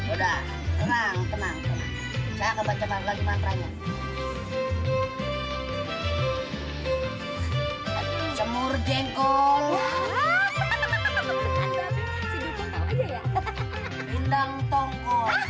udah tenang tenang tenang saya akan baca lagi mantra nya